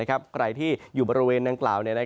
ใครที่อยู่บริเวณดังกล่าว